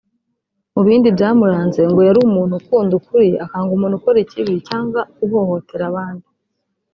Mu bindi byamuranze ngo yari umuntu ukunda ukuri akanga umuntu ukora ikibi cyangwa uhohotera abandi